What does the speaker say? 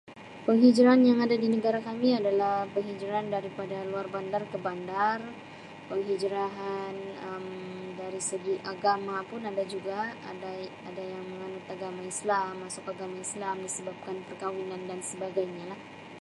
Penghijraan yang ada di negara kami adalah penghijraan daripada luar bandar ke bandar penghijraan Um dari segi agama pun ada juga ada ada yang menganut agama islam masuk agama islam disebabkan perkahwinan dan sebagainya lah.